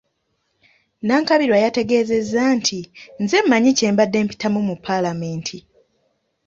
Nankabirwa yategeezezza nti, “Nze mmanyi kye mbadde mpitamu mu Paalamenti."